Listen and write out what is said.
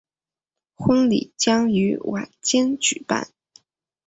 婚礼将于晚间举办。